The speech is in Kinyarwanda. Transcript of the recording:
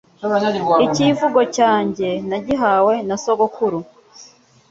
IKIVUGO cyange nagihawe na sogokuru